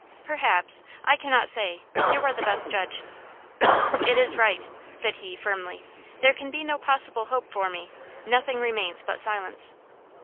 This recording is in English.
"Perhaps. I cannot say. You are the best judge." "It is right," said he, firmly. "There can be no possible hope for me; nothing remains but silence."